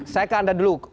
saya ke anda dulu